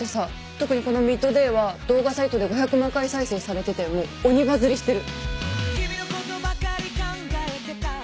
特にこの『ＭＩＤＤＡＹ』は動画サイトで５００万回再生されてて鬼バズりしてる。